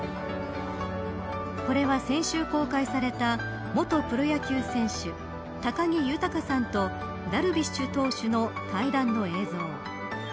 これは先週公開された元プロ野球選手、高木豊さんとダルビッシュ投手の対談の映像。